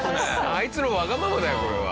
あいつのわがままだよこれは。